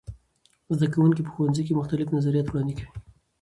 زده کوونکي په ښوونځي کې مختلف نظریات وړاندې کوي.